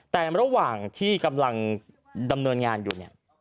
แต่ระหว่างที่กำลังดำเนินงานอยู่เนี่ย